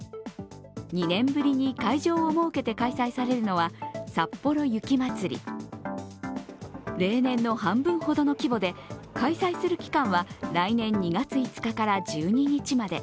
２年ぶりに会場を設けて開催されるのはさっぽろ雪まつり例年の半分ほどの規模で開催する期間は来年２月５日から１２日まで。